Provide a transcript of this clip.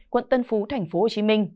quận tân phú tp hcm